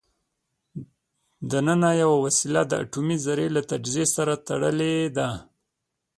دننه یوه وسیله د اټومي ذرې له تجزیې سره تړلې ده.